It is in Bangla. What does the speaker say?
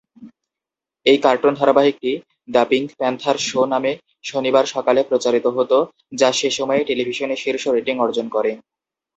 এই কার্টুন ধারাবাহিকটি "দ্য পিঙ্ক প্যান্থার শো" নামে শনিবার সকালে প্রচারিত হত, যা সে সময়ে টেলিভিশনে শীর্ষ রেটিং অর্জন করে।